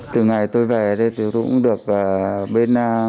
từ ngày tôi về đây tôi cũng được bên